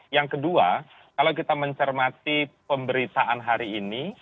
yang kedua kalau kita mencermati pemberitaan hari ini